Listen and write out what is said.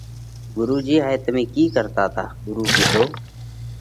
“ڳرُو جِي هائي تمي ڪِي ڪرتا تا؟ ڳرُو ڪِيڌو: